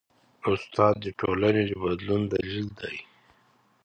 استاد د ټولنې د بدلون دلیل دی.